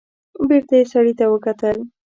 بېرته يې سړي ته وکتل.